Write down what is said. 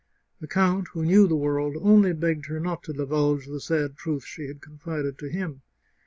The count, who knew the world, only begged her not to divulge the sad truth she had confided to him.